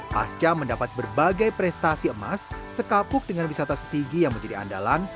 pasca mendapat berbagai prestasi emas sekapuk dengan wisata setigi yang menjadi andalan